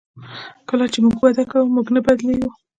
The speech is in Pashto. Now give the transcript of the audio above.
کله چې موږ وده کوو موږ نه بدلیږو.